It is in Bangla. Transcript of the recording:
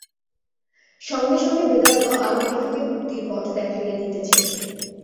সঙ্গে সঙ্গে বেদান্ত আমাদিগকে মুক্তির পথ দেখাইয়া দিতেছে।